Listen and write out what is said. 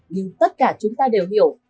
nhưng tất cả chúng ta đều hiểu